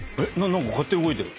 何か勝手に動いてる。